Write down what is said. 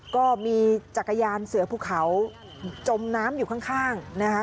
ก็มีจักรยานเสือภูเขาจมน้ำอยู่ข้างนะคะ